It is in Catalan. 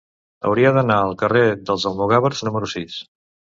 Hauria d'anar al carrer dels Almogàvers número sis.